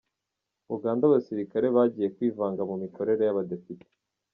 Uganda Abasirikare bagiye kwivanga mu mikorere y’abadepite